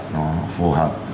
nó phù hợp